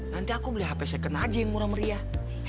nanti aku beli hp second aja yang murah meriah